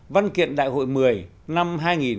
văn kiện đại hội một mươi năm